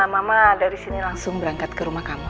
mama dari sini langsung berangkat ke rumah kamu